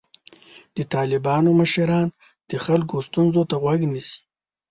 د طالبانو مشران د خلکو ستونزو ته غوږ نیسي.